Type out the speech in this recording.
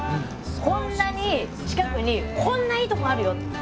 こんなに近くにこんないいとこがあるよって。